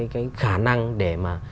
cái khả năng để mà